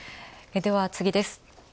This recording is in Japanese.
では次です。